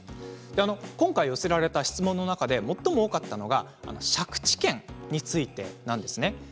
今回寄せられた質問で最も多かったのが借地権についてなんです。